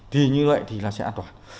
thì như vậy thì sẽ an toàn